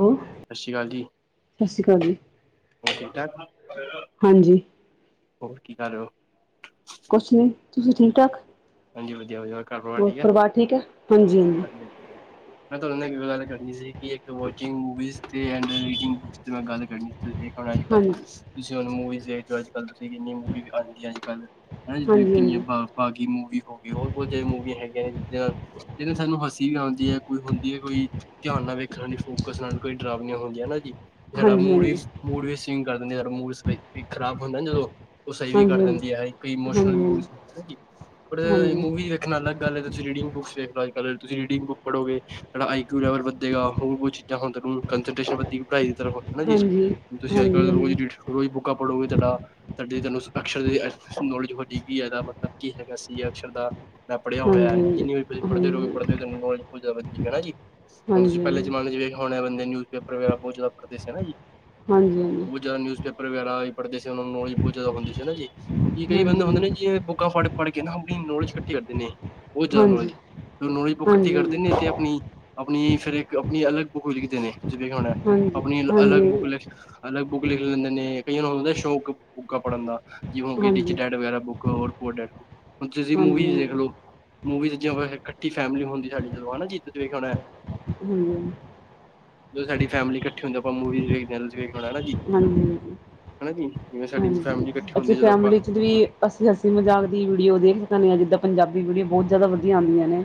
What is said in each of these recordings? Hello ਸਤਿ ਸਸ ਸ਼੍ਰੀ ਅਕਾਲ ਜੀ, ਸ਼੍ਰੀ ਅਕਾਲ ਜੀ ਹੋਰ ਠੀਕ ਠਾਕ? ਹਾਂਜੀ। ਹੋਰ ਕੀ ਕਰ ਰਹੇ ਹੋ? ਕੁਛ ਨੀ ਤੁਸੀਂ ਠੀਕ ਠਾਕ ਹਾਂਜੀ ਵਧੀਆ ਵਧੀਆ ਘਰ ਹੋਰ ਠੀਕ ਹੈ ਪਰਿਵਾਰ ਠੀਕ ਹੈ ਹਾਂਜੀ। ਮੈਂ ਤੋਆਨਾ ਨਾ ਏੱਕ ਗੱਲ ਕਰਨੀ ਸੀ ਕੀ ਏੱਕ ਵੋਚਿੰਗ ਮੂਵੀਸ ਤੇ ਐਂਡਰ ਮੇਕਿੰਗ ਮੈਂ ਗੱਲ ਕਰਨੀ ਸੀ। ਤੁਸੀਂ ਦੇਖੋ ਅੱਜ ਕੱਲ, ਹਾਂਜੀ ਤੁਸੀਂ ਹੁਣ ਮੂਵੀਜ਼ ਦੇਖਦੇ ਹੋ ਅੱਜ ਕੱਲ ਤੁਸੀਂ ਕਿੰਨੀ ਮੂਵੀਜ਼ ਆਂਦੀਆਂ ਅੱਜ ਕੱਲ। ਹ ਜ ਤੁਸੀਂ ਹਾਂਜੀ ਹਾਂਜੀ ਕਿੰਨੀਆਂ ਬਾਗੀ ਮੂਵੀ ਹੋ ਗਈ ਹੋਰ ਬਹੁਤ ਜ ਮੂਵੀਆਂ ਹੈਗੀਆਂ ਜਿੱਚ ਜਿਹਨੇ ਸਾਨੂੰ ਹਸੀ ਵੀ ਆਉਂਦੀ ਹੈ ਕੋਈ ਹੁੰਦੀ ਹੈ ਕੋਈ ਧਿਆਨ ਨਾਲ ਵੇਖਣ ਫੋਕਸ ਕੋਈ ਡਰਾਬਣੀਆਂ ਹੁੰਦੀਆਂ ਨਾ ਜੀ। ਸਾਡਾ ਹਾਂਜੀ ਮੂਡ ਵੀ ਹਾਂਜੀ ਮੂਡ ਵੀ ਸਵਿੰਗ ਕਰ ਦਿੰਦੇ ਸਾਡਾ ਮੂਡ ਸਵਿੰਗ, ਖਰਾਬ ਹੁੰਦਾ ਨਾ ਜਦੋਂ। ਉਹ ਸਹੀ ਵੀ ਕਰ ਹਾਂਜੀ ਦਿੰਦੀ ਹੈ ਇੱਕ ਇਮੋਸ਼ਨਲ ਹਾਂਜੀ ਮੂਵ ਜੀ। ਪਰ ਹਾਂਜੀ ਮੂਵੀਜ਼ ਦੇਖਣਾ ਨਾ ਗੱਲ ਏਦੇ ਚ ਜੇੜੀ ਬੁੱਕਸ ਦੇਖ ਲਓ ਅੱਜੱਲ ਤੁਸੀਂ ਰੀਡਿੰਗ ਬੁੱਕ ਪੜ੍ਹੋਗੇ‌। ਜਿਹੜਾ ਆਈਕਊ ਲੈਵਲ ਵਧੇਗਾ ਹੋਰ ਬੋਤ ਚੀਜ਼ਾਂ ਹਣ। ਕੰਟ ਵਧੀ ਪੜ੍ਹਾਈ ਦੀ ਤਰਫ ਹਨਾ ਜੀ ਹਾਂਜੀ ਹਾਂਜੀ ਹੁਣ ਤੁਸੀਂ ਅੱਜ ਕੱਲ ਹਾਂਜੀ ਹਾਂਜੀ ਰੋਜ਼ [inaudible] ਰੋਜ਼ ਬੁੱਕਾਂ ਪੜ੍ਹੋਗੇ ਤੁਹਾਡਾ ਤੁਹਾਡੀ ਤੁਹਾਨੂੰ ਅਕਸ਼ਰ ਦੀ ਨੌਲੇਜ ਵਧੇਗੀ ਇਹਦਾ ਮਤਲਬ ਕੀ ਹੈ। ਸੀ ਅਕਸ਼ਰ ਦਾ ਮੈਂ ਪੜਿਆ ਹੋਇਆ ਹਾਂਜੀ ਜਿੰਨੀ ਵੀ ਤੁਸੀਂ ਪੜਦੇ ਰੋਗੇ ਪੜ੍ਹਦੇ ਹਾਂਜੀ ਹੋੈੂੰ ਨੌਲੇਜ ਹੋਦਾਾ [unintelligible] ਹਨਾਂ ਜੀ। ਹਾਂਜੀ ਹੁਣ ਤੁਸੀਂ ਹਾਂਜੀ ਹਾਂਜੀ ਹਾਂਜੀ ਹਾਂਜੀ ਪਹਿਲੇ ਜਮਾਨੇ ਚ ਵਖ ਹੋਣੇ ਬੰਦੇ ਨਿਉਜ਼ਪੇਪਰ ਵਗੈਰਾ ਬਹੁਤ ਜ਼ਿਆਦਾ ਪੜਦੇ ਸੀ ਹਨਾ ਜੀ। ਹਾਂਜੀ ਹਾਂਜੀ ਹਾਂਜੀ ਹਾਂਜੀ ਹਾਂਜੀ ਬਹੁਤ ਜਿਆਦਾ ਨਿਊਜ਼ਪੇਪ ਵਗੈਰਾ ਵੀ ਪੜ੍ਹਦੇ ਸੀ ਉਹਨਾਂ ਨੂੰ ਨੌਲੇਜ ਬਹੁਤ ਜ਼ਿਆਦਾ ਹੁੰਦੀ ਸੀ ਹਨਾਂ ਜੀ ਕੀ ਕਈ ਬੰਦੇ ਹੁੰਦੇ ਨੇ ਜੀ ਇਹ ਬੁੱਕਾਂ ਫੜ ਪੜ੍ਹ ਕੇ ਨਾ ਆਪਣੀ ਨੌਲੇਜ ਇਕੱਠੀ ਕਰ ਦਿੰਦੇ ਬਹੁਤ ਜ਼ਿਆਦਾ ਨੌਲੇਜ ਨੌਲੇਜ ਇਕੱਠੀ ਕਰ ਦਿੰਦੇ ਤੇ ਆਪਣੀ ਆਪਣੀ ਫਿਰ ਇੱਕ ਆਪਣੀ ਅਲੱਗ ਬੁੱਕ ਲਿਖਦੇ ਨੇ ਜਿਵੇਂ ਹੁਣ ਆਪਣੀ ਅਲੱਗ ਬੁੱਕ ਲਿਖ ਅਲੱਗ ਬੁੱਕ ਲਿਖ ਲੈਂਦੇ ਨੇ, ਕਈਆਂ ਨੂੰ ਸ਼ੌਕ ਬੁੱਕਾਂ ਪੜ੍ਹਨ ਦਾ। ਜਿਵੇ ਹੋ ਗਈਟੀਚਰ ਡੈਡ ਵਗੈਰਾ ਬੁੱਕ ਹੋਰ ਪਰ ਡੈਡ ਹੁਣ ਤੁਸੀਂ ਮੂਵੀਜ਼ ਦੇਖਲਓ ਮੂਵੀਜ਼ ਇਕੱਠੀ ਫੈਮਿਲੀ ਹੁੰਦੀ ਸਾਡੀ ਜਦੋਂ ਹਨਾਂ ਜੀ ਜੀਤਖਣਾ [inaudible] ਹੂੰ। ਜਦੋਂ ਸਾਡੀ ਫੈਮਿਲੀ ਇਕੱਠੀ ਹੁੰਦੀ ਆ ਆਪਾਂ ਮੂਵੀਜ਼ ਵੇਖਦੇ [unintelligible] ਵੇਖਦੇ ਆ ਹਨਾਂ ਜੀ। ਹਾਂਜੀ ਹਾਂਜੀ ਹਾਂਜੀ ਹੈਨਾ ਜੀ, ਜਿਵੇਂ ਸਾਡੀ ਫੈਮਿਲੀ ਇਕੱਠੀ ਹੁੰਦੀ, ਜਦੋਂ ਆਪਾਂ ਦੀ ਅਸੀਂ ਹਸੀਂ ਮਜ਼ਾਕ ਦੀ ਵੀਡੀਓ ਦੇਖ ਸਕਦੇ ਹਾਂ, ਜਿੱਦਾਂ ਪੰਜਾਬੀ ਵੀਡੀਓ ਬਹੁਤ ਜ਼ਿਆਦਾ ਵਧੀਆ ਆਉਂਦੀਆਂ ਨੇ।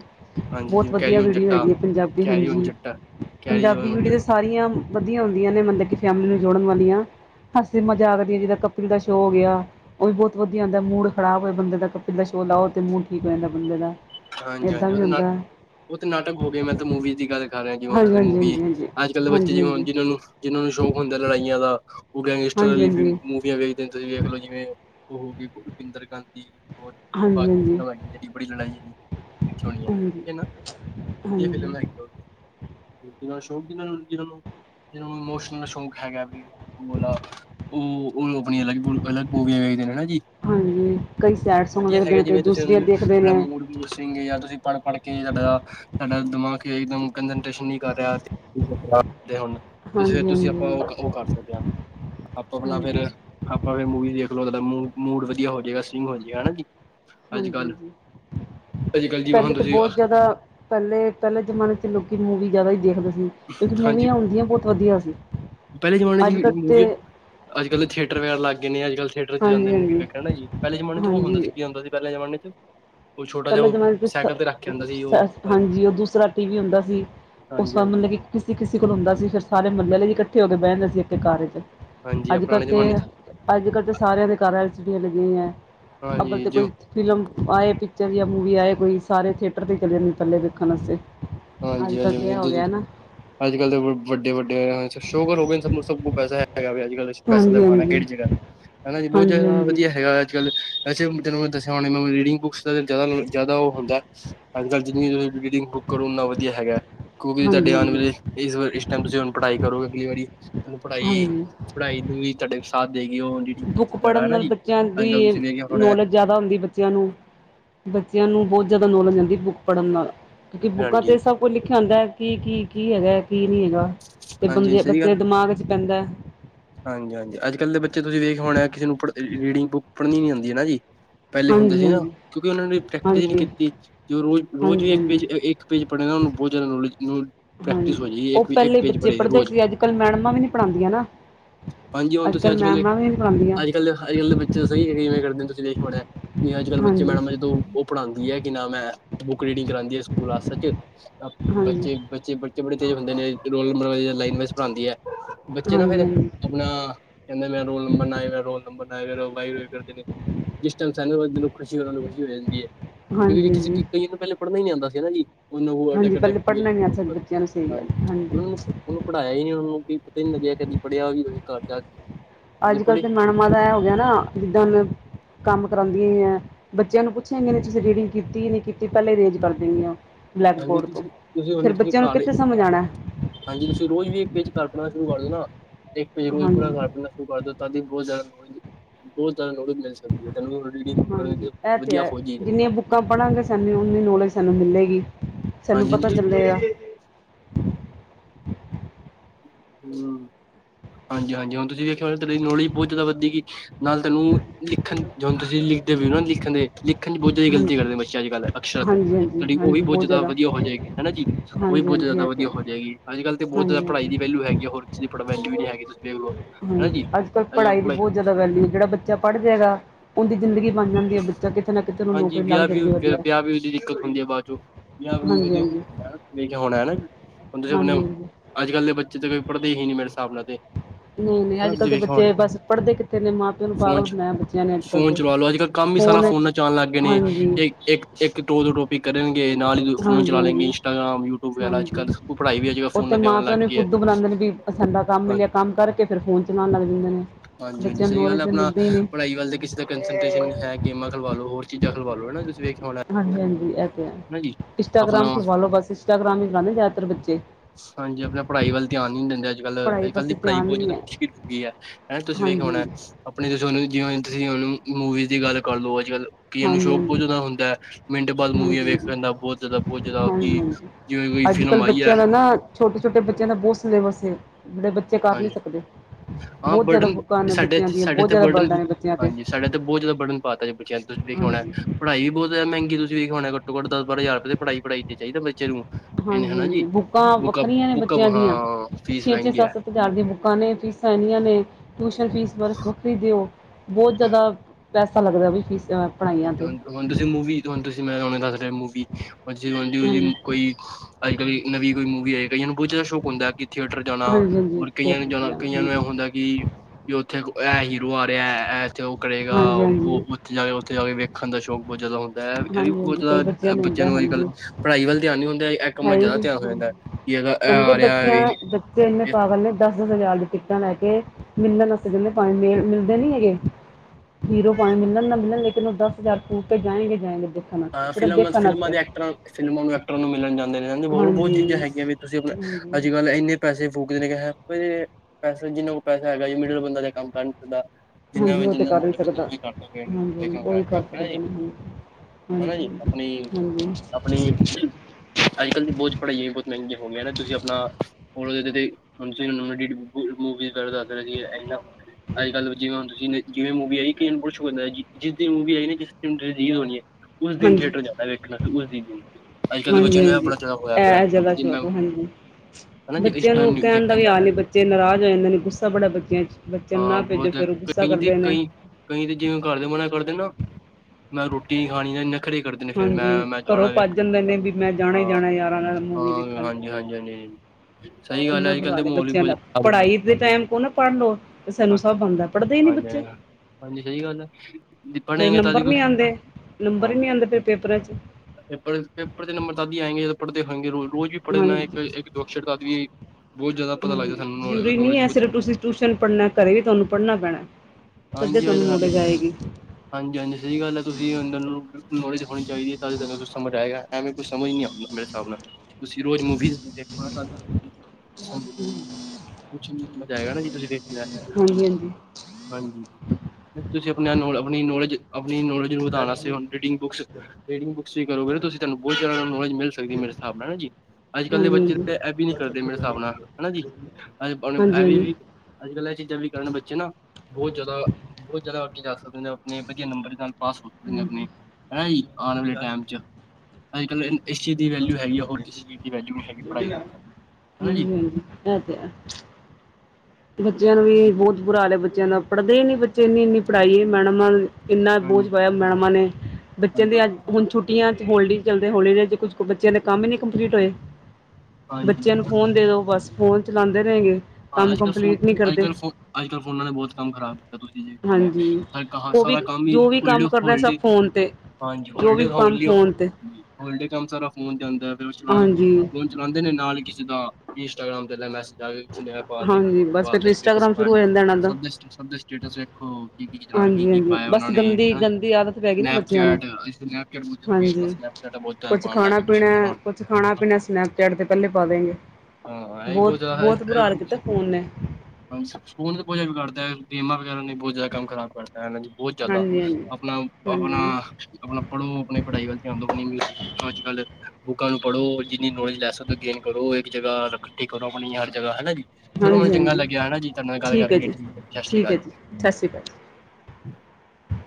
ਹਾਂਜੀ ਬਹੁਤ ਜਿਵੇਂ ਕੈਰੀ ਵਧੀਆ ਓਨ ਵੀਡੀਓ ਜੱਟਾ, ਹੈਗੀ ਹੈ, ਪੰਜਾਬੀ ਕੈਰੀ ਓਨ ਹਾਂਜੀ, ਜੱਟਾ। ਕੈਰੀ ਪੰਜਾਬੀ ਓਨ ਵੀਡੀਓ ਦੇ ਜੱਟਾ ਸਾਰੀਆਂ ਵਧੀਆ ਹੁੰਦੀਆਂ ਨੇ, ਮਤਲਬ ਕਿ ਫੈਮਿਲੀ ਨੂੰ ਜੋੜਨ ਵਾਲੀਆਂ। ਹੱਸੀ ਮਜ਼ਾਕ ਦੀ ਹੈ, ਜਿੱਦਾਂ ਕਪਿਲ ਦਾ ਸ਼ੋਅ ਕੇਆ, ਉਹ ਵੀ ਬਹੁਤ ਵਧੀਆ ਹੁੰਦਾ, ਮੂਡ ਖਰਾਬ ਹੋਏ ਬੰਦੇ ਦਾ ਕਪਿਲ ਦਾ ਸ਼ੋਅ ਲਾਓ, ਤੇ ਮੂਡ ਠੀਕ ਹੋ ਜਾਂਦਾ ਬੰਦੇ ਦਾ। ਹਾਂਜੀ! ਏਦਾਂ ਹਾਂਜੀ ਵੀ ਉਹਦੇ ਨਾਲ ਹੁੰਦਾ ਉਹ ਤੇ ਨਾਟਕ ਹੋ ਗਏ। ਮੈਂ ਤੇ ਮੂਵੀਜ਼ ਦੀ ਗੱਲ ਕਰ ਰਿਹਾ ਜਿਵੇਂ ਹੁਣ ਹਾਂਜੀ ਤੁਸੀਂ ਹਾਂਜੀ ਮੂਵੀ ਹਾਂਜੀ ਅੱਜ ਕੱਲ ਦੇ ਬੱਚੇ ਹਾਂਜੀ ਜਿਵੇਂ ਹਾਂਜੀ ਜਿਨਾਂ ਨੂੰ ਜਿਹਨਾਂ ਨੂੰ ਸ਼ੌਕ ਹੁੰਦਾ ਲੜਾਈਆਂ ਦਾ ਉਹ ਗੈਂਗਸਟਰ ਹਾਂਜੀ ਕਦੇ ਹਾਂਜੀ ਹਾਂਜੀ ਤੁਸੀਂ ਵੇਖ ਲਓ ਜਿਵੇਂ ਉਹ ਹੋਗੀ ਰੁਪਿੰਦਰ ਗਾਂਧੀ ਹੋਰ ਬਾਕੀ ਹਾਂਜੀ ਚੀਜ਼ਾਂ ਹੈਗੀ ਜੜੀ ਬੜੀ ਲੜਾਈ ਜਿਹੜੀ [inaudible] ਵੇਖੀ ਹੋਣੀ ਹਾਂਜੀ ਨਾ ਹਾਂਜੀ ਵਧੀਆ ਹਾਂਜੀ ਫਿਲਮ ਹੈਗੀ ਉਹ। ਸਕ ਦਿ ਜਿਨ੍ਹਾਂੂੰ ਜਿ [unintelligible] ਮੌਸਮ ਦਾ ਸ਼ੌਕ ਹੈਗਾ। ਉਹ ਉਹ ਆਪਣੀਆਂ ਅਲੱਗ ਅਲੱਗ ਮੂਵੀਆਂ ਵੇਖਦੇ ਨੇ ਹਨਾ ਜੀ। ਹਾਂਜੀ ਕਈ ਸੈਡ ਸੌਂਗ ਵਧੀਆ ਦੇਖਦੇ ਹੈਗਾ ਨੇ ਕਈ ਜਿਵੇਂ ਤੁਸੀਂ ਦੂਸਰੀਆਂ ਉਹਨੂੰ ਦੇਖਦੇ ਤੁਹਾਡਾ ਨੇ। [unintelligible] ਸਿੰਘ ਯਾ ਤੁਸੀ ਪੜ-ਪੜ ਕੇ ਜੈਦਾ। ਸਾਡਾ ਦਿਮਾਗਮ ਕੰਟੇਸ਼ਨ ਨਹੀਂ ਕਰ ਰਿਹਾ [unintelligible] [inaudible] ਹਾਂਜੀ ਤੁਸੀਂ ਹਾਂਜੀ ਆਪਾਂ ਹਾਂਜੀ ਉਹ ਉਹ ਕਰ ਸਕਦੇ ਹਾਂ। ਆਪਾਂ ਆਪਣਾ ਫੇਰ ਹਾਂਜੀ ਆਪਾਂ ਫਿਰ ਮੂਵੀ ਦੇਖ ਲੋ ਮੂਡ ਵਧੀਆ ਹੋ ਜਾਏਗਾ ਸਵਿੰਗ ਹੋ ਜਾਏਗਾ ਜੀ। ਅੱਜ ਕੱਲ੍ਹ ਹਾਂਜੀ ਅੱਜ ਕੱਲ੍ਹ ਜਿਵੇਂ ਹੁਣ ਪੈਲੇ ਤਾਂ ਤੁਸੀਂ ਬੌਤ ਜੈਦਾ ਪੈਲੇ, ਪੈਲੇ ਜਮਾਨੇ ਚ ਲੋਕੀ ਮੂਵੀ ਜੈਦਾ ਈ ਦੇਖਦੇ ਸੀ। ਕਿਉਂਕਿ ਮੂਵੀਆਂ ਹੁੰਦੀਆਂ ਬੌਤ ਵਦੀਆ ਸੀ। ਪੈਲੇ ਜਮਾਨੇ ਚ ਅੱਜ ਵੀ ਕੱਲ੍ਹ ਤੇ ਮੂਵੀ, ਅੱਜ-ਕੱਲ ਦੇ ਥੀਏਟਰ ਵਗੈਰਾ ਲੱਗ ਗਏ ਨੇ ਅੱਜ-ਕੱਲ ਥੀਏਟਰ ਚ ਜਾਂਦੇ ਹਾਂਜੀ ਮੂਵੀ ਹਾਂਜੀ ਵੇਖਣ ਹੈ ਨਾ ਜੀ, ਪਹਿਲੇ ਜਮਾਨੇ ਚ ਉਹ ਹੁੰਦਾ ਸੀ, ਹਾਂਜੀ ਕੀ ਹੁੰਦਾ ਸੀ ਪਹਿਲੇ ਜ਼ਮਾਨੇ ਚ? ਉਹ ਛੋਟਾ ਜਿਹਾ ਪਹਿਲੇ ਉਹ ਜਮਾਨੇ ਸ ਸਾਈਕਲ ਤੇ ਰੱਖ ਕੇ ਆਂਦਾ ਸੀ ਸ ਉਹ ਭਾਈ ਹਾਂਜੀ, ਉਹ ਦੂਸਰਾ ਟੀ-ਵੀ ਹੁੰਦਾ ਸੀ। ਉਸ ਹਾਂਜੀ ਬਾਦ ਹਾਂਜੀ ਮਤਲਬ ਕਿ ਕਿਸੇ ਕਿਸੇ ਕੋਲ ਹੁੰਦਾ ਸੀ ਫਿਰ ਸਾਰੇ ਮੁਹੱਲੇੇ ਇਕੱਠੇ ਹੋ ਕੇ ਬਹਿੰਦਾ ਸੀ ਆਪਣੇ ਘਰ ਚ' ਹਾਂਜੀ ਆ ਅੱਜ ਕੱਲ੍ਹ ਪੁਰਾਣੇ ਤੇ ਜ਼ਮਾਨੇ ਚ ਅੱਜ ਕੱਲ੍ਹ ਤੇ ਸਾਰਿਆਂ ਦੇ ਕਾਰ ਐਲ-ਸੀ-ਡੀ ਆਂ ਲੱਗੀ ਦੀਆਂ। ਹਾਂਜੀ, ਜਿਓ। ਫਿਲਮ ਆਏ ਪਿਕਚਰ ਜਾਂ ਮੂਵੀ ਆਏ ਕੋਈ, ਸਾਰੇ ਥੀਏਟਰ 'ਤੇ ਚਲੇ ਜਾਂਦੀ ਪਥੱਲੇ ਦੇੇਖਣ ਵਾਸਤੇ। ਹਾਂਜੀ ਅੱਜ-ਕਲ ਤੇ ਐ ਹੋ ਹਾਂਜੀ ਗਿਆ ਨਾ ਅੱਜ ਕੱਲ ਦੇ ਵੱਡੇ- ਵੱਡੇ ਸ਼ੋਗਰ ਹੋ ਗਏ ਸ ਸਭ ਪੈਸਾ ਹੈਗਾ ਵੀ ਅੱਜ ਕੱਲ। ਪੈਸਾ ਲ ਹਾਂਜੀ ਦਿਖਾਉਣਾ ਹਾਂਜੀ ਕਿਹੜੀ ਜਗ੍ਹਾ, ਹਨਾ ਜੀ ਬਹੁਤ ਹਾਂਜੀ ਜਗ੍ਹਾ ਹਾਂਜੀ ਵਧੀਆ ਹੈਗਾ ਅੱਜ ਕੱਲਸੇ ਜਦ ਮੈਂ ਦੱਸਿਆ ਹੋ ਮ ਰੀਡਿੰਗ ਬੁੱਕਸ ਦਾ ਜ਼ਿਆਦਾ- ਜ਼ਿਆਦਾ ਉਹ ਹੁੰਦਾ ਹੈ। ਅੱਜ ਕੱਲ ਜਿੰਨੀ ਤੁਂ ਰੀਡਿੰਗ ਬੁੱਕ ਕਰੋ ਉਨਾ ਵਧੀਆ ਹੈਗਾ। ਕੁਕੀ ਤੁਹਾਡੇ ਹਾਂਜੀ ਆਣ ਹਾਂਜੀ ਵੇਲੇ, ਇਸ ਇਸ ਟਾਈਮ ਤੁਸੀਂ ਹੁਣ ਪੜ੍ਹਾਈ ਕਰੋਗੇ ਅਗਲੀ ਵਾਰੀ ਤੁਹਾਨੂੰ ਪੜ੍ਹਾਈ ਹਾਂਜੀ ਪੜ੍ਹਾਈ ਨੂੰ ਹੀ ਤੁਹਾਡੇ ਸਾਥ ਦੇਗੀਈ ਉਹ ਰੀਡਿੰਗ ਬੁੱਕਸ ਬੁੱਕ ਵਗੈਰਾ ਪੜ੍ਹਨ ਹਨਾ ਨਾਲ ਜੀ ਬੱਚਿਆਂ ਅੱਜ ਕੱਲ੍ਹ ਦੀ ਤੁਸੀਂ ਵੇਖਿਆ ਹੋਣਾ ਨੌਲੇਜ ਜ਼ਿਆਦਾ ਹੁੰਦੀ ਬੱਚਿਆਂ ਨੂੰ, ਬੱਚਿਆਂ ਨੂੰ ਬਹੁਤ ਜ਼ਿਆਦਾ ਨੌਲੇਜ ਆਉਦੀ ਬੁੱਕ ਪੜ੍ਹਨ ਨਾਲ। ਕਿਉਂਕਿ ਬੁੱਕਾਂ ਹਾਂਜੀ ਹਾਂਜੀ ਤੇ ਸਭ ਕੁਝ ਲਿਖਿਆ ਹੁੰਦਾ ਐ, ਕੀ ਕੀ ਕੀ ਹੈਗਾ ਕੀ ਨਹੀਂ ਹੈਗਾ। ਤੇ ਹਾਂਜੀ ਬੰਦੇ, ਬੱਚੇ ਦੇ ਦਿਮਾਗ ਚ' ਪੈਂਦਾ। ਹਾਂਜੀ-ਹਾਂਜੀ, ਅੱਜ ਕੱਲ੍ਹ ਦੇ ਬੱਚੇ ਤੁਸੀਂ ਵੇਖ ਹੋਣਾ ਕਿਸੇ ਨੂੰ ਪੜ ਰੀ-ਰੀ-ਰੀਡਿੰਗ ਬੁੱਕ ਪੜ੍ਹਨੀ ਨੀ ਆਂਦੀ, ਹੈ ਨਾ ਜੀ? ਪਹਿਲੇ ਹੁੰਦੇ ਹਾਂਜੀ ਸੀ ਨਾ ਹਾਂਜੀ ਕਿਉਂਕਿ ਉਹਨਾਂ ਨੇ ਪ੍ਰੈਕਟਿਸ ਹੀ ਨਹੀਂ ਹਾਂਜੀ ਕੀਤੀ, ਜੋ ਰੋਜ਼ ਰੋਜ਼ ਵੀ ਹਾਂਜੀ ਇੱਕ ਹਾਂਜੀ ਪੈਜ ਅ ਅ ਇਕ ਪੇਜ ਪੜੇ ਨਾ ਉਹਨੂੰ ਬਹੁਤ ਜ਼ਿਆਦਾ ਨਲੇਜ ਹਾਂਜੀ ਪ੍ਰੈਕਟਿਸ ਹੋ ਉਹ ਜਾਏਗੀ ਇੱਕ ਪਹਿਲੇ ਪੇਜ ਬੱਚੇ ਪੜੇ। ਪੜ੍ਹਦੇ ਸੀ ਅੱਜ ਕੱਲ੍ਹ ਮੈਡਮ ਵੀ ਪੜ੍ਹਾਂਦੀਆਂ ਨਾ। ਹਾਂਜੀ, ਹੁਣ ਤੁਸੀਂ ਕੱਲ੍ਹ ਅੱਜ ਕੱਲ ਮੈਡਮਾਂ ਵੀ ਨਹੀਂ ਪੜ੍ਹਾਉਂਦੀਆਂ ਅੱਜ ਕੱਲ੍ਹ ਦੇ ਅੱਜ ਕੱਲ ਦੇ ਸਹੀ ਕਿਵੇਂ ਕਰਦੇ ਹੋ ਤੁਸੀਂ ਦੇਖ ਹੋਣਾ, ਜਿਵੇਂ ਅੱਜ ਕੱਲ ਬੱਚੇ ਹਾਂਜੀ ਮੈਡਮ ਜਦੋਂ ਪੜਾਂਦੀ ਹੈ ਕਿ ਨਾ ਮੈਂ, ਬੁੱਕ ਰੀਡਿੰਗ ਕਰਾਂਉਦੀ ਹੈ ਸਕੂਲਸ ਹਾਂਜੀ ਬੱਚੇ ਬੱਚੇ ਬੱਚੇ ਬੜੇ ਤੇਜ਼ ਹੁੰਦੇ ਨੇ, ਰੋਲ ਨੰਬਰ ਵਾਇਜ਼ ਯਾ ਲਾਈਨ ਵਾਇਜ਼ ਪੜਾਂਦੀ ਐ, ਬੱਚੇ ਨਾ ਹਾਂਜੀ ਫੇਰ ਹਾਂਜੀ ਆਪਣਾ ਕਹਿੰਦੇ, ਮੈਂ ਰੋਲ ਨੰਬਰ ਨਾਇਣ ਮੇਰਾ ਰੋਲ ਨੰਬਰ ਨਾਇਣ [unintelligible] ਜਿਸ ਟਾਈਮ ਸਾਨੂੰ ਖੁਸ਼ੀ ਹੋ [unintelligible] ਨੂੰ ਖੁਸ਼ੀ ਹੋ ਜਾਂਦੀ ਹੈ, ਕਿਉਂਕਿ ਵੀ ਹਾਂਜੀ ਕਿਸੇ ਹਾਂਜੀ ਕਈਆਂ ਨੂੰ ਪਹਿਲੇ ਪੜਨਾ ਨੀ ਆਉਂਦਾ ਸੀ ਹਨਾ ਜੀ। ਉਹ ਨਾ ਉਹ ਹਾਂਜੀ ਅਟਕ- ਅਟਕ ਪਹਿਲੇ ਪੜ੍ਹਨਾ ਕੀਤੀ ਨਹੀਂ ਆਉਂਦਾ [unintelligible] ਬੱਚਿਆਂ ਨੂੰ ਸਹੀ ਹਾਂ। ਗੱਲ ਹਾਂਜੀ ਉਹਨੂੰ ਪੜਾਇਆ ਹੀ ਨਹੀ ਉਹਨੂੰ ਪਤਾ ਨੀ ਲੱਗਿਆ ਕਦੀ ਪੜ੍ਹਿਆ ਵੀ ਹੋਵੇ ਘਰ ਜਾ ਕੇ। ਜੇ ਅੱਜ-ਕੱਲ੍ਹ ਪੜ੍ਹੇ ਤੇ ਮੈਡਮਾਂ ਦਾ ਏ ਹੋ ਗਿਆ ਨਾ ਜਿੱਦਾਂ ਕੰਮ ਕਰਾਉਂਦੀਆਂ ਈ ਏ। ਬੱਚਿਆਂ ਨੂੰ ਪੁੱਛਣ ਗੀਆਂ [unintelligible] ਹੀ ਨਹੀਂ ਤੁਸੀਂ ਰੀਡਿੰਗ ਕੀਤੀ ਜਾ ਨਈ ਕੀਤੀ ਪਹਿਲਾਂ ਰੀਡ ਕਰ ਦੇਣਗੀਆਂ ਉਹ। ਬਲੈਕ- ਹਾਂਜੀ ਬੋਰਡ ਤੋਂ। ਤੁਸੀਂ ਤੁਸੀਂ ਫਿਰ ਹੁਣ ਤੁਸੀਂ ਬੱਚਿਆਂ ਨੂੰ ਘਰ ਕਿੱਥੇ ਸਮਝ ਆਣਾ? ਹਾਂਜੀ ਤੁਸੀਂ ਰੋਜ਼ ਵੀ ਇੱਕ ਪੇਜ ਕਰਦਨਾ ਸ਼ੁਰੂ ਕਰ ਦੇ ਨਾ ਤੇ ਇੱਕ ਪੇਜ ਰੋਜ਼ ਪੂਰਾ ਹਾਂਜੀ ਕਰਦੋ। ਤੋਂ ਬਾਅਦ ਤਾਂ ਜੀ ਬਹੁਤ ਜ਼ਿਆਦਾ, ਬਹੁਤ ਜ਼ਿਆਦਾ ਨੋਲਜ ਮਿਲ ਸਕਦੀ ਹੈ ਤੈਨੂੰ ਹਾਂਜੀ ਇਹ ਤੇ ਹੈ, ਜਿੰਨੀਆਂ ਬੁੱਕਾਂ ਪੜਾਂਗੇ ਸਾਨੂੰ ਉਓਨੀ ਨੌਲੇਜ ਸਾਨੂੰ ਮਿਲੇਗੀ। ਸਾਨੂੰ ਹਾਂਜੀ ਪਤਾ ਚੱਲੇਗਾ। ਹੂੰ ਹਾਂਜੀ- ਹਾਂਜੀ ਹੁਣ ਤੁਸੀਂ ਵੇਖਿਆ ਹੋ ਤੇਰੇ ਨੌਲੇਜ ਬਹੁਤ ਜ਼ਿਆਦਾ ਵੱਧੇਗੀ। ਨਾਲ ਤੈਨੂੰ ਲਿਖਣ ਜਦੋਂ ਤੁਸੀਂ ਲਿਖਦੇ ਵੀ ਹੋ ਨਾ ਲਿਖਣ ਦੇ, ਲਿਖਣ 'ਚ ਬਹੁਤ ਜ਼ਿਆਦਾ ਗਲਤੀ ਹਾਂਜੀ ਕਰਦੇ ਬੱਚੇ ਅੱਜ- ਕੱਲ੍ਹ ਅਕਸ਼ਰ ਹਾਂਜੀ ਹਾਂਜੀ ਤੁਹਾਡੀ ਉਹ ਵੀ ਹਾਂਜੀ ਬਹੁਤ ਜ਼ਿਆਦਾ ਵਧੀਆ ਹੋ ਜਾਏਗੀ, ਹਨਾ ਜੀ। ਉਹ ਵੀ ਹਾਂਜੀ ਬਹੁਤ ਹਾਂਜੀ ਜ਼ਿਆਦਾ ਇਹ ਤੇ ਵਧੀਆ ਹੈ ਹੋਜੇਗੀ ਅੱਜ-ਕੱਲ੍ਹ ਬਹੁ ਜ਼ਿਆਦਾ ਹਾਂਜੀ ਪੜ੍ਹਾਈ ਹਾਂਜੀ ਦੀ ਵੈਲਯੂ ਹੈਗੀ ਆ ਹੋਰ ਚੀਜ਼ ਪੜ ਵੈਲਯੂ ਵੀ ਨਹੀਂ ਹੈ ਤੁਸੀ ਵਖਲੋ। ਹਾਂਜੀ ਅੱਜ -ਕੱਲ੍ਹ ਪੜ੍ਹਾਈ ਦੀ ਬਹੁਤ ਜਿਆਦਾ ਵੈਲਯੂ ਜਿਹੜਾ ਬੱਚਾ ਪੜ੍ਹ ਜੇਗਾ। ਉਹਦੀ ਜ਼ਿੰਦਗੀ ਬਣ ਜਾਂਦੀ ਹੈ ਬੱਚਾ ਕਿਤੇ ਨਾ ਕਿਤੇ ਉਹਨੂੰ ਹਾਂਜੀ ਨੌਕਰੀ ਲੱਗ ਵਿਆਹ ਵੀ ਜਾਂਦੀ ਵਧੀਆ। ਜਾ ਹਾਂਜੀ ਵਧੀਆ ਹਾਂਜੀ ਲਿਖਿਆ ਹੋਣਾ ਹਨਾ ਜੀ। ਹਾਂਜੀ -ਹਾਂਜੀ ਅੱਜ ਕੱਲ ਦੇ ਬੱਚੇ ਤਾਂ ਪੜ੍ਹਦੇ ਹੀ ਨਹੀਮੇਰੇ ਹਿਸਾਬ ਨਾਲ ਤੇ। ਨਹੀਂ ਨਹੀਂ ਹਨਾ ਅੱਜ ਕੱਲ੍ਹ ਤੁਸੀਂ ਦੇ ਵੇਖਿਆ ਹੋਣਾ ਬੱਚੇ ਬਸ ਪੜ੍ਹਦੇ ਕਿੱਥੇ ਨੇ ਮਾਂ ਪਿਓ ਨੂੰ ਫੋਨ ਪਾਗਲ ਚ ਬਣਾਇਆ ਬੱਚਿਆਂ ਨੇ। ਕੱਲ੍ਹ ਫੋਨ ਦੇ ਚਲਾ ਲਓ ਅੱਜ -ਕੱਲ ਕੰਮ ਹੀ ਸਾਰਾ ਫੋਨ ਵਿੱਚ ਫੋਨਾਂ 'ਚ ਆ- ਣ ਲੱਗ ਗੇ ਨੇ ਹਾਂਜੀ ਇੱਕ ਇੱਕ ਇਕ ਟੋ ਤੋਂੋ ਟੋ [unintelligible] ਵੀ ਕਰਨਗੇ ਨਾਲ ਹੀ ਤੁ ਫੋਨ ਹਾਂਜੀ ਚਲਾ ਲੈਣਗੇ ਹਾਂਜੀ ਇੰਸਟਾਗ੍ਰਾਮ, ਯੂਟਿਊਬ ਵਗੈਰਾ ਅੱਜੱਕਲ ਹਾਂਜੀ ਓ ਪੜ੍ਹਾਈ ਵੀ ਅੱੱਜ ਉੱਥੇ ਮਾਂ ਪਿਓ ਨੂੰ ਫੁਦੂ ਬਣਾਉਦੇ ਨੇ ਜੀ ਅਸਾਡਾ ਕੰਮ ਹਾਂਜੀ। ਮਿਲਿਆ ਕੰਮ ਕਰਕੇ ਫਿਰ ਫੋਨ ਚਲਾਉਣ ਲੱਗ ਜਾਂਦੇ ਨੇ [unintelligible] ਹਾਂਜੀ- ਹਾਂਜੀ ਨੂੰ ਸਹੀ ਗੱਲ ਨੌਲੇਜ ਹੈ ਤਾਂ ਆਪਣਾ ਮਿਲਦੀ ਹੀ ਨਹੀਂ ਪੜ੍ਹਾਈ ਵੱਲ ਦੇ, ਕਿਸੇ ਦਾ ਕੰਸਟਰੇਸ਼ਨ ਹੈ ਗੇਮ ਖਿਲਾਵਾ ਲੋ ਹੋਰ ਚੀਜਾ ਖਲਵਾ ਲੋ ਹਨਾ ਤੁਸੀਂ ਵਖ, ਹਾਂਜੀ -ਹਾਂਜੀ ਇਹ ਤੇ ਇੰਸਟਾਗ੍ਰਾਮ ਆਪਣਾ ਖਿਲਵਾ ਲੋ ਬਸ ਇੰਸਟਾਗ੍ਰਾਮ ਹੀ ਖਲਾਉਂਦੇ ਜ਼ਿਆਦਾਤਰ ਬੱਚੇ। ਹਾਂਜੀ ਆਪਣੇ, ਪੜ੍ਹਾਈ ਵੱਲ ਧਿਆਨ ਨੀ ਦਿੰਦੇ ਅੱਜ -ਕੱਲ੍ਹ ਅੱਜ ਪੜ੍ਹਾਈ ਕੱਲ੍ਹ ਦੀ ਪਾਸੇ ਪੜ੍ਹਾਈ ਧਿਆਨ ਬਹੁਤ ਨਹੀਂ ਜ਼ਿਆਦਾ ਹੈ ਮੁਸ਼ਕਿਲ ਹੋ ਗਈ ਹੈ ਹਨਾ ਤੁਸੀਂ ਵੇਖਿਆ ਹਾਂਜੀ ਹੋਣਾ। ਆਪਣੇ ਜਿਵੇਂ ਤੁਸੀਂ ਉਹਨੂੰ ਮੂਵੀਜ਼ ਦੀ ਗੱਲ ਕਰ ਲਓ ਅੱਜ- ਕੱਲ ਕਿਈ ਨੂੰ ਹਾਂਜੀ ਹਾਂਜੀ ਸ਼ੌਕ ਬਹੁਤ ਹਾਂਜੀ ਜਿਆਦਾ ਹੁੰਦਾ। ਮਿੰਟ ਬਾਅਦ ਮੂਵੀਆਂ ਹਾਂਜੀ ਵੇਖਣ ਦਾ ਬਹੁਤ ਜ਼ਿਆਦਾ ਬਹੁਤ ਜ਼ਿਆਦਾ ਹਾਂਜੀ ਕਿ ਹਾਂਜੀ ਜਿਵੇਂ ਕੋਈ ਅੱਜ ਫਿਲਮ ਕੱਲ੍ਹ ਆਈ ਏ। ਬੱਚਿਆਂ ਦਾ ਨਾ ਛੋਟੇ- ਛੋਟੇ ਬੱਚਿਆਂ ਦਾ ਬਹੁਤ ਸਿਲੇਬਸ ਹੈ ਜਿਹੜੇ ਬੱਚੇ, ਬੱਚੇ ਕਰ ਨਹੀਂ ਹਾਂਜੀ ਸਕਦੇ ਹਾਂ ਬਹੁਤ ਜ਼ਿਆਦਾ ਬਰਡਨ ਬੁੱਕਾਂ ਨੇ ਸਾਡੇ ਬੱਚਿਆਂ ਦੀਆਂ ਸਾਡੇ ਬਹੁਤ ਤੇ ਜ਼ਿਆਦਾ ਬਰਡਨ ਂ ਨੇ ਬੱਚਿਆਂ ਤੇ। ਹਾਂਜੀ ਸਾਡੇ ਤੇ ਬਹੁਤ ਜ਼ਿਆਦਾ ਬਰਡਨ ਪਾਤਾ ਬਿਆਂ ਨੂੰ ਤੁਸੀਂ ਵੀਖਉਣਾ ਹਾਂਜੀ ਪੜਾਈ ਵੀ ਬਹੁਤ ਜ਼ਿਆ ਮਹਿੰਗੀ ਤੁਸੀਂ ਵੇਖਿਆ ਹੋਣਾ। ਵਡ ਦਸ ਬਾਰੁਏ ਪੜਾਈ- ਪੜਾਈ ਚਾਹੀਦਾ ਬੱਚੇ ਨੂੰ ਇਹਨੇ ਹਾਂਜੀ ਹਨਾ ਜੀ ਹਾਂਜੀ ਬੁੱਕਾਂ- ਵੱਖਰੀਆਂ ਨੇ ਬੁੱਕਾਂ ਬੱਚਿਆਂ ਦੀਆਂ ਹਾਂ ਫੀਸ ਛੇ ਛੇ ਮਹਿੰਗੀ ਏ। ਸੱਤ ਸੱਤ ਹਜ਼ਾਰ ਦੀਆਂ ਬੁੱਕਾਂ ਨੇ ਫੀਸਾਂ ਇੰਨੀਆਂ ਨੇ ਟਿਊਸ਼ਨ ਫੀਸ ਵ ਵੱਖਰੀ ਦਿਓ। ਬਹੁਤ ਹਾਂ ਜ਼ਿਆਦਾ ਪੈਸਾ ਲੱਗਦਾ ਉਹ ਵੀ ਫੀਸ। ਪੜ੍ਹਾਈਆਂ ਹਾਂਜੀ 'ਤੇ ਹ ਹੁਣ ਤੁਸੀਂ ਮੂਵੀ ਹੁਣ ਤੁਸੀਂ ਮੈਂ ਦੱਸ ਰਹੇ ਮੂਵੀ ਹ ਹਾਂਜੀ ਤੁ ਕੋਈ, ਅੱਜ ਕਲ ਨੀ ਕੋਈ ਮੂਵੀ ਆ, ਕਈਆਂ ਨੂੰ ਬਹੁਤ ਜਿਆਦਾ ਸ਼ੌਕ ਹੁੰਦਾ ਕਿ ਥੀਏਟਰ ਜਾਣਾ ਹਾਂਜੀ ਹਾਂਜੀ ਔਰ ਕਈਆਂ ਨੂੰ ਥੀਏਟਰ 'ਚ ਜਾਣਾ ਕਈਆਂ ਨੂੰ ਇਹ ਹਾਂਜੀ ਹੁੰਦਾ। ਕਿ ਵੀ ਉੱਥੇ ਇਹ ਹੀਰੋ ਆ ਰਿਹਾ, ਇਹ ਇੱਥੇ ਉਹ ਕਰੇਗਾ, ਹਾਂਜੀ ਹਾਂਜੀ ਉਹ ਉੱਥੇ ਜਾ ਕੇ। ਉੱਥੇ ਜਾ ਕੇ ਵੇਖਣ ਦਾ ਸ਼ੌਂਕ ਬਹੁਤ ਜ਼ਿਆਦਾ ਹੁੰਦਾ ਏ ਇਹ ਵੀ ਹਾਂਜੀ ਬਹੁਤ ਹਾਂਜੀ ਕਈ ਜ਼ਿਆਦਾ ਬੱਚਿਆਂ ਹੁੰਦਾ ਨੂੰ ਅੱਜ ਹਾਂਜੀ ਕੱਲ੍ਹ ਪੜ੍ਹਾਈ ਵੱਲ ਧਿਆਨ ਨਹੀਂ ਹੁੰਦਾ। ਹੈ ਕੰਮਾਂ ਜ਼ਿਆਦਾ ਹਾਂ ਧਿਆਨ ਹੋ ਜਾਂਦਾ ਕਿ ਇਹਦਾ ਇਹ ਸਮਦੇ ਆ ਬੱਚਿਆਂ, ਰਿਹਾ ਸੇਨਮੇ ਪਾਗਲ ਨੇ ਦਸ ਦਸ ਹਜ਼ਾਰ ਦੀਆਂ ਟਿਕਟਾਂ ਲੈ ਕੇ ਮਿਲਣ ਵਸਤੇ ਜਾਂਦੇ ਪਾਣੀ ਮਿਲ ਮਿਲਦੇ ਨਹੀਂ ਹੈਗੇ। ‌ ਜ਼ੀਰ ਪੁਆਇੰਟ ਮਿਲਣ ਨਾ ਮਿਲਣ ਲੇਕਿਨ ਉਹ ਦਸ ਹਜ਼ਾਰ ਫੂਟ ਜਾਏਂਗੇ ਹੀ ਜਾਏਗੇ। ਅਹ ਫਿਲਮਾਂ -ਫਿਲਮਾਂ ਦੇ ਐਕਟਰਾਂ ਫਿਲਮਾਂ ਨੂੰ ਐਕਟਰਾਂ ਨੂੰ ਮਿਲਣ ਜਾਂਦੇ ਨੇ, ਹੋਰ ਬਹੁਤ ਚੀਜ਼ਾਂ ਹਾਂਜੀ, ਹੈਗੀਆਂ ਵੀ ਤੁਸੀਂ ਆਪਣਾ ਹਾਂਜੀ, ਅੱਜ ਕੱਲ੍ਹ ਇਨੇ, ਪੈਸੇ ਫੂਕਦੇ ਨੇ ਕਿਹਾ ਪੈਸੇ ਜਿੰਨਾ ਕੋਲ ਪੈਸਾ ਹੈਗਾ ਜ ਮਿਡਲ ਬੰਦਾ ਦਾ ਕੰਮ ਕਰ ਨਹੀਂ ਸਕਦਾ। ਜਿੰਨਾ ਹਾਂਜੀ ਵੀ ਉਹ ਤੇ ਜਿੰਨਾ ਕਰ ਨੀ ਸਕਦਾ। ਮੋਟਰੋਰੰਜਨ ਵੀ ਕਰਦੇ ਪਏ ਨੇਖ ਹਾਂਜੀ, ਹਾਂਜੀ ਉਹੀ ਅੱਜੱਲ ਕਰ ਹਨਾ ਜੀ। ਸਕਦੇ ਨੇ, ਹਨਾ ਹਾਂਜੀ, ਜੀ ਹਾਂਜੀ, ਆਪਣੀ- ਹਾਂਜੀ, ਆਪਣੀ, ਅੱਜ ਕੱਲ੍ਹ ਦੀ ਬੋਝ ਪੜ੍ਹਾਈਆਂ ਵੀ ਬਹੁਤ ਮਹਿੰਗੀਆਂ ਹੋ ਗਈਆਂ ਤੁਸੀਂ ਆਪਣਾ ਉਹਵ ਇਨਾ ਅੱਜ ਕੱਲ ਜਿਵੇ ਹੁਣ ਤੁਂ ਜਿਵੇਂ ਮੂਵੀ ਆਈ ਕਿਨ ਜਿਸ ਦੀ ਮੂਵੀ ਆਈ ਜਿਸ ਹੋਣੀ ਹੈ ਉਸ ਦਿਨ ਹਾਂਜੀ, ਥੀਏਟਰ ਜਾਂਦਾ ਵੇਖਣਾ ਉਸ ਦਿ ਦਿਨ ਅਜ ਕੱਲ ਦੇ ਹਾਂਜੀ ਬੱਚਿਆਂ ਨੂੰ ਇਹ ਹਾਂਜੀ ਬੜਾ ਜ਼ਿਆਦਾ ਹੋਇਆ ਪਿਆ ਇਹ ਜ਼ਿਆਦਾ ਜ ਸ਼ੌਕ ਹੈ। ਹਾਂਜੀ। ਬੱਚਿਆਂ ਨੂੰ ਕਹਿਣ ਦਾ ਵੇਖਣ ਵੀ ਆ ਜਾਣਾ ਨਹੀਂ ਬੱਚੇ ਨਾਰਾਜ਼ ਹੋਏ ਜਾਂਨਾਂ ਨੇ ਗੁੱਸਾ ਪੜਿਆ ਬੱਚਿਆਂ ਚ ਬੱਚਿਆਂ ਨੂੰ ਹਾਂ ਨਾ ਭੇਜੋ ਬਹੁਤ ਫੇਰ ਉਹ ਗੁੱਸਾ ਕਈ ਤੇ ਕਰਦੇ ਨੇ ਕਈ ਕਈ ਤਾਂ ਜਿਵੇਂ ਘਰ ਦੇ ਮਨਾ ਕਰਦੇ ਨਾ ਮੈਂ ਰੋਟੀ ਖਾਣੀ ਨਖਰੇ ਕਰ ਫਿਰ ਮੈਂ ਹਾਂਜੀ, ਮੈਂ ਜਾਣਾ ਘਰੋਂ ਭੱਜ ਵੇਖਣ ਜਾਂਦੇ ਵਾਲ ਨੇ ਵੀ ਮੈਂ ਜਾਣਾ ਹੀ ਹਾਂ ਜਾਣਾ ਯਾਰਾਂ ਨਾਲ ਮੂਵੀ ਹਾਂ ਦੇਖਣ। ਹਾਂਜੀ ਹਾਂਜੀ ਹਾਂਜੀ ਸਹੀ ਗੱਲ ਹੈ ਇੰਨਾ ਅੱਜ ਕੱਲ੍ਹ ਬੁਰਾ ਦੇ ਲਏ ਮਾਹੌਲ ਹੀ ਬੱਚਿਆਂ ਦਾ ਬਹੁਤ ਪੜ੍ਹਾਈ ਦੇ ਟਾਈਮ ਕੋ ਨਾ ਪੜ੍ਹ ਲਓ ਤੇ ਸਾਨੂੰ ਹਾਂ ਸਭ ਆਦਾ ਪੜ੍ਹਦੇ ਨਹੀਂ ਹਾਂਜੀ ਬੱਚੇ ਹਾਂਜੀ ਸਹੀ ਗੱਲ ਹੈ ਫੇਰ ਪੜ੍ਹੇਗੇ ਤਾਈ ਨੰਬਰ ਕੁਛ ਨੀ ਆਂਦੇ, ਨੰਬਰ ਨਹੀ ਹਾਂਜੀ ਐਦੇ ਫਿਰ ਪੇਪਰਾ ਚ ਪੇਪਰ ਪੇਪਰ ਦੇ ਨੰਬਰ ਦਾਦੀ ਆਏਂਗੇ ਪੜ੍ਹਦੇ ਹੋਏਗੇ ਰੋਜ਼ ਰੋਜ਼ ਵੀ ਪੜ੍ਹੇ ਨਾ ਹਾਂਜੀ ਇੱਕ ਦਸ਼ਰ ਤਦ ਵੀ ਬਹੁਤ ਜ਼ਿਆਦਾ ਪਤਾ ਹਾਂਜੀ ਲੱਗਦਾ ਸਾਨੂੰ ਜ਼ਰੂਰੀ ਨ ਨੌਲੇਜ ਹੈ ਕੁਛ ਸਿਰਫ ਤੁਸੀਂ ਟਿਊਸ਼ਨ ਪੜ੍ਹਨਾ ਘਰੇ ਵੀ ਤੁਹਾਨੂੰ ਪੜ੍ਹਨਾ ਪੈਣਾ ਧੰਦੇ ਹਾਂਜੀ ਇਹ ਤੁਹਾਨੂੰ ਤਾਂ ਹਾਲੇ ਨੋਲਜ ਆਏਗੀ। ਹਾਂਜੀ, ਹਾਂਜੀ ਸਹੀ ਗੱਲ ਤੁਸੀਂ ਨੌਲੇਜ ਹੋਣੀ ਚਾਹੀਦੀ ਹੈ ਤਾਂ ਸਮਝ ਆਏਗਾ ਐਵੇਂ ਕੁਛ ਸਮਝ ਨੀ ਆਉਂਦਾ ਮੇਰੇ ਹਿਸਾਬ ਨਾਲ। ਤੁਸੀਂ ਰੋਜ਼ ਮੂਵੀਜ਼ ਵੀ ਦੇਖੋ ਕੁ [unintelligible] ਮਜਾ ਆਏਗਾ ਨਾ ਜੀ ਤੁਸੀਂ ਦੇ ਹਾਂਜੀ ਹਾਂਜੀ ਹਾਂਜੀ ਤੁਸੀਂ ਆਪਣਾ ਨੌ ਆਪਣੀ ਨੌਲੇਜ ਆਪਣੀ ਨੌਲੇਜ ਵਦਾਣ ਵਾਸਤੇ ਹੁਣ ਡੇਟਿੰਗ ਬੁਕਸ ਡੇਟਿੰਗ ਬੁਕਸ ਹੀ ਕਰੋ ਗੇ ਤੁਸੀਂ। ਤੁਹਾਨੂੰ ਬਹੁਤ ਜਾਦਾ ਨੋਲਜ ਮਿਲ ਸਕਦੀ ਮੇਰੇ ਹਿਸਾਬ ਨਾਲ ਹਣਾ ਜੀ। ਅੱਜ ਕੱਲ੍ਹ ਦੇ ਬੱਚੇ ਹਾਂਜੀ ਹਾਂਜੀ ਤਾਂ ਇਹ ਵੀ ਨੀ ਕਰਦੇ ਮੇਰੇ ਹਿਸਾਬ ਨਾਲ ਹਨਾ ਜੀ ਅ ਆਪ ਇਹ ਵੀ ਹਾਂਜੀ ਵੀ ਅੱਜ ਕੱਲ੍ਹ ਇਹ ਚੀਜ਼ਾਂ ਵੀ ਕਰਨ ਬੱਚੇ ਨਾ ਬਹੁਤ ਜ਼ਿਆਦਾ ਬਹੁਤ ਜ਼ਿਆਦਾ ਅੱਗੇ ਜਾ ਸਕਦੇ ਨੇ ਆਪਣੇ ਵਧੀਆ ਨੰਬਰ ਨਾਲ ਪਾਸ ਹੋ। ਆਪਣੇ ਹਾਂਜੀ ਆਪਣੇ ਹਨਾ ਜੀ ਆਉਣ ਵਾਲੇ ਟਾਈਮ ਚ ਅੱਜ ਕੱਲ੍ਹ ਇਸ ਚੀਜ਼ ਦੀ ਵੈਲਿਊ ਹੈਗੀ ਆ ਹੋਰ ਕਿਸੇ ਚੀਜ਼ ਦੀ ਵੈਲਿਊ ਨਹੀਂ ਹੈਗੀ ਪੜ੍ਹਾਈ ਤੋਂ ਬਿਨਾ ਹਨਾ ਜੀ। ਉਹ ਤੇ ਹੈ। ਬੱਚਿਆਂ ਨੂੰ ਵੀ ਹਾਂਜੀ ਬਹੁਤ ਬੁਰਾ ਹਾਲ ਹੈ ਬੱਚਿਆਂ ਦਾ ਪੜ੍ਹਦੇ ਨੀ ਬੱਚੇ ਇੰਨੀ ਇੰਨੀ ਪੜ੍ਹਾਈ ਏ ਮੈਡਮਾਂ ਕਿੰਨਾ ਬੋਝ ਹਾਂਜੀ ਪਾਇਆ ਮੈਡਮਾਂ ਨੇ ਬੱਚਿਆਂ ਦੇ ਅੱਜ ਹੁਣ ਛੁੱ ਛੁਟੀਆ ਚ ਹੋਲੀ ਚੱਲਦੇ ਹੋਲੀਡੇ ਚ ਦੇ ਕੁ ਬੱਚਿਆਂ ਦੇ ਕੰਮ ਹੀ ਨੀ ਕੰਪਲੀਟ ਹੋਏ। ਬੱਚਿਆਂ ਨੂੰ ਹਾਂਜੀ ਫੋਨ ਦੇ ਦੋ ਬਸ ਫੋਨ ਚਲਾਉਂਦੇ ਰਹਿਣ ਗੇ। ਹਾਂ ਅਜੱ ਕਲ ਫੋਨ ਅੱਜ ਕੱਲ ਫੋਨ ਅੱਜ ਕੱਲ ਫੋਨਾਂ ਨੇ ਬਹੁਤ ਕੰਮ ਖਰਾਬ ਕੀਤਾ ਤੁਸੀਂ ਜੇ ਹਾਂਜੀ ਉਹ ਵੀ ਸਾਰਾ ਕੰਮ ਹੀ ਜੋ ਵੀ ਹੋਲ ਕੰਮ ਕਰਨਾ ਸਬ ਫੋਨ ਤੇ। ਹਾਂਜੀ ਜੋ ਹੋਲਡੇ ਵੀ ਕੰਮ ਹੋਲੀਓ ਫੋਨ ਤੇ ਹੋਲਡੇ ਕੰਮ ਸਾਰਾ ਫੋਨ ਜਾਂਦਾ ਫਿਰ ਉਸ ਚ ਚਲਾਨ ਹਾਂਜੀ ਚਲਾਉਂਦੇ ਨੇ ਨਾਲ ਕਿਸੇ ਦਾ ਇੰਸਟਾਗ੍ਰਾਮ ਤੇ ਲੈ ਮੈਸੇਜ ਆ ਕਿਸੇ ਨੇ ਇਹ ਪਾ ਤੇ ਹਾਂਜੀ ਬਸ ਫਿਰ ਪਾਤੇ ਸਟੇਟ ਇੰਸਟਾਗ੍ਰਾਮ ਸ਼ੁਰੂ ਹੋ ਜਾਂਦਾ ਇਹਨਾਂ ਦਾ ਸਬਦੇ ਸਟੇਟਸ ਵੇਖੋ ਕੀ ਕੀ ਸੁਣਾ ਕੀ ਹਾਂਜੀ ਕੀ ਹਾਂਜੀ ਪਾਇਆ ਬਸ ਉਹਨਾਂ ਨੇ ਗੰਦੀ ਹਨਾ ਗੰਦੀ ਆਦਤ ਪੈ ਗਈ ਨਾ ਬੱਚਿਆਂ ਨੂੰ ਸਨੈਪਚੈਟਨੈਪਚੈਟ ਹਾਂਜੀ ਕੁਛ ਖਾਣਾ ਪੀਣਾ ਦੁਸ਼ਮਣ ਹੁਣ। ਕੁਛ ਖਾਣਾ ਪੀਣਾ ਸਨੈਪਚੈਟ ਤੇ ਪਹਿਲੇ ਪਾ ਦੇਗੇ ਹਾਂ ਇਹ ਬੋ ਜੋ ਹੈ [unintelligible] ਬੁਰਾ ਹਾਲ ਕੀਤਾ ਫ਼ੋਨ ਨੇ ਹਾਂਜੀ ਸਕੂਲ ਨੇ ਬਹੁਤ ਜਾਦਾ ਵਿਗਾੜ ਤੇ ਹੇ ਗੇਮਾਂ ਵਗੈਰਾ ਨੇ ਬ ਜਾਦਾ ਕੰਮ ਖ਼ਰਾਬ ਕਰਦਾ ਹੈ ਹਨ ਜੀ ਬਹੁਤ ਜ਼ਿਆਦਾ ਹਾਂਜੀ ਹਾਂਜੀ ਆਪਣਾ ਆਪਣਾ ਹਾਂਜੀ ਆਪਣਾ ਪੜ੍ਹੋ ਆਪਣੀ ਪੜ੍ਹਾਈ ਵੱਲ ਧਿਆਨ ਦਿਓ ਆਪਣੀ ਇੰਗਲਿਸ਼ ਅਜ ਕੱਲ੍ਹ ਬੁੱਕਾਂ ਨੂੰ ਪੜ੍ਹੋ ਜਿੰਨੀ ਨੌਲੇਜ ਲੈ ਸਕਦੇ ਹੋ ਗੇਨ ਕਰੋ ਇੱਕ ਜਗਾ ਇਕੱਠੀ ਕਰੋ ਆਪਣੀ ਹਰ ਜਗ੍ਹਾ ਹਨਾ ਜੀ। ਚਲੋ ਮੈਨੂੰ ਹਾਂਜੀ ਚੰਗਾ ਹਾਂਜੀ ਲੱਗਿਆ ਹਨਾ ਜੀ ਤੁਹਾਡੇ ਨਾਲ ਗੱਲ ਕਰਕੇ ਠੀਕ ਹੈ ਜ ਸਤਿ ਸ਼੍ਰੀ ਠੀਕ ਹੈ ਅਕਾਲ ਜੀ। ਸਤਿ ਸ਼੍ਰੀ ਅਕਾਲ।